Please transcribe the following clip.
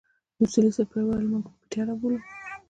د اصولي صیب پلار وويل موږ يې پتيره بولو.